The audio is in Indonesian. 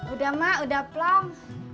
udah mak udah plong